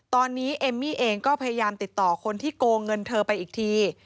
ตอนนี้เอมมี่เองก็พยายามติดต่อคนที่โกงเงินเธอไปอีกที